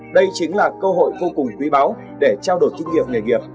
đây chính là cơ hội vô cùng quý báu để trao đổi kinh nghiệm nghề nghiệp